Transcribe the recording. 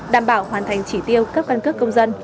đảm bảo hoàn thành chỉ tiêu cấp căn cước công dân